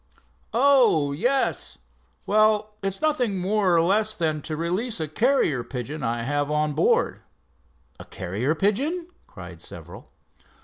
"Oh, yes. Well, it's nothing more or less than to release a carrier pigeon I have on board." "A carrier pigeon?" cried several.